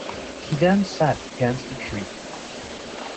He then sat against a tree.